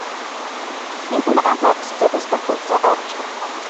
ni muda ambao sitaweza kuusahau maishani mwangu